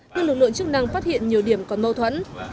nhưng lực lượng chức năng phát hiện nhiều điểm còn mâu thuẫn